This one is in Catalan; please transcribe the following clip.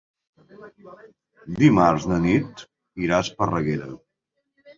Dimarts na Nit irà a Esparreguera.